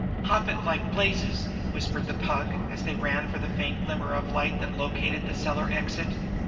"Hop it like blazes!" whispered the Pug, as they ran for the faint glimmer of light that located the cellar exit.